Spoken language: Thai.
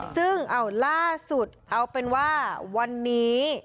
ซึ่งเอาล่าสุดเอาเป็นว่าวันนี้